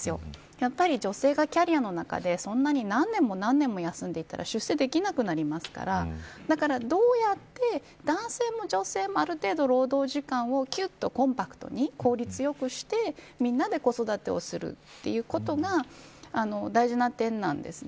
やっぱり女性がキャリアの中でそんなに何年も休んでいたら修正できなくなりますからどうやって男性も女性もある程度、労働時間をきゅっとコンパクトに効率よくみんなで子育てをするということが大事な点なんですね。